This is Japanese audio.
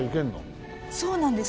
そうなんです。